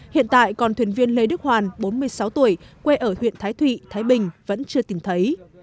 hiện tại còn thuyền viên lê đức hoàn bốn mươi sáu tuổi quê ở huyện thái thụy thái bình vẫn chưa tìm thấy